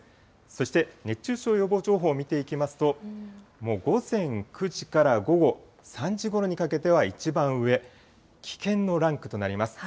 そして熱中症予防情報を見ていきますと、もう午前９時から午後３時ごろにかけては一番上、危険のランクとなります。